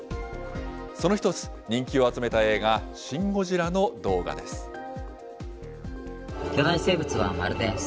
その一つ、人気を集めた映画、シン・ゴジラの動画です。